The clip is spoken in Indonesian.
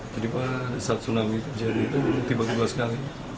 jadi pada saat tsunami terjadi itu tiba tiba sekali